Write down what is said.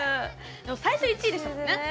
最初１位でしたもんね。